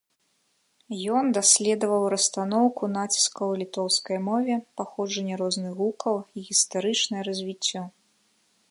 Ён даследаваў расстаноўку націскаў у літоўскай мове, паходжанне розных гукаў, іх гістарычнае развіццё.